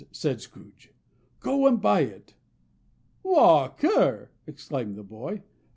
said Scrooge. "Go and buy it." "WALK ER!" exclaimed the boy.